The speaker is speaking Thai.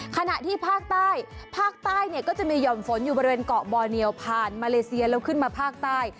ขณะที่ภาคใต้ภาคใต้เนี่ยก็จะมีห่อมฝนอยู่บริเวณเกาะบอเนียวผ่านมาเลเซียแล้วขึ้นมาภาคใต้